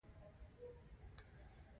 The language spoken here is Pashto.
د تحسین نامې ورکول یو ډول تشویق دی.